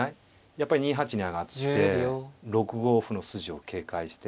やっぱり２八に上がって６五歩の筋を警戒して。